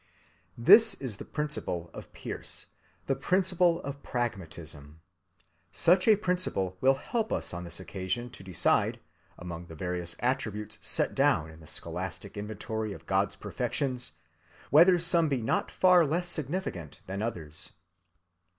This is the principle of Peirce, the principle of pragmatism. Such a principle will help us on this occasion to decide, among the various attributes set down in the scholastic inventory of God's perfections, whether some be not far less significant than others.